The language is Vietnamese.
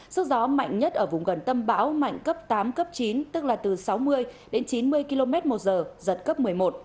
sức gió mạnh nhất ở vùng gần tâm bão mạnh cấp tám cấp chín tức là từ sáu mươi đến chín mươi km một giờ giật cấp một mươi một